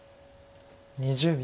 ２０秒。